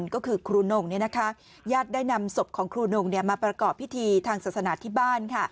ก็คือครูนงญาติได้นำศพของครูนงมาประกอบพิธีทางศาสนาที่บ้าน